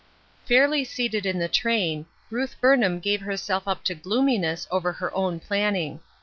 'xilRLY seated in the train, Ruth Burii ham gave herself up to gloominess ovei her own planning.